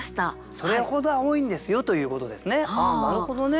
それほど青いんですよということですねなるほどね。